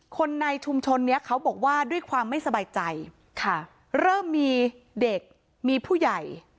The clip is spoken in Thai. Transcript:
คนในชุมชนเนี้ยเขาบอกว่าด้วยความไม่สบายใจค่ะเริ่มมีเด็กมีผู้ใหญ่